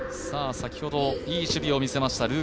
先ほどいい守備を見せました